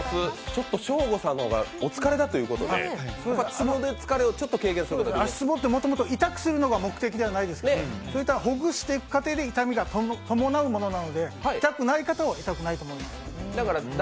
ちょっとショーゴさんの方がお疲れだということでつぼで疲れをちょっと軽減することが足つぼってもともと委託するのが目的ではないのでほぐしていく過程で痛みが伴うものなので痛くない方は痛くないと思います。